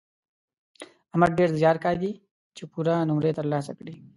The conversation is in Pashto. احمد ډېر زیار کاږي چې پوره نومرې تر لاسه کړي.